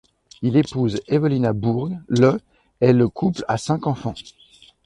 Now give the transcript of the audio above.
Il épouse Evelina Bourg le et le couple a cinq enfants.